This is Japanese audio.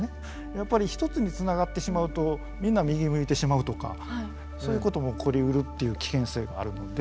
やっぱり一つに繋がってしまうとみんな右向いてしまうとかそういうことも起こりうるっていう危険性があるので。